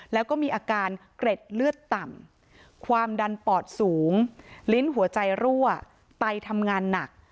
แล้วก็มีอาการเกร็ดเลือดต่ำความดันปอดสูงลิ้นหัวใจรั่วไตทำงานหนัก